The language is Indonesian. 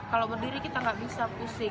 kalau berdiri kita nggak bisa pusing